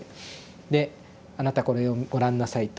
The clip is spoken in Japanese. で「あなたこれをご覧なさい」と。